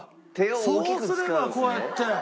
そうすればこうやって。